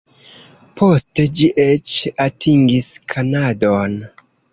Poste ĝi eĉ atingis Kanadon.